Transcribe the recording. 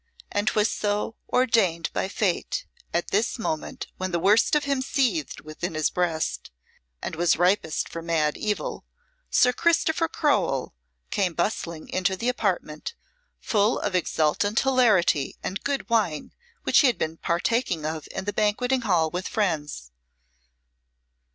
And 'twas so ordained by Fate, at this moment when the worst of him seethed within his breast, and was ripest for mad evil, Sir Christopher Crowell came bustling into the apartment, full of exultant hilarity and good wine which he had been partaking of in the banqueting hall with friends.